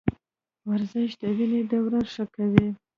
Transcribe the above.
ورزش د وینې دوران ښه کوي.